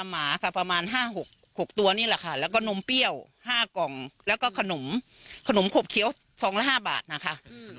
หมาค่ะประมาณ๕๖ตัวนี่แหละค่ะแล้วก็นมเปรี้ยว๕กล่องแล้วก็ขนมขบเคี้ยวซองละ๕บาทนะคะ